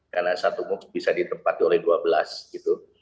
karena satu mungkin bisa ditempati oleh dua belas gitu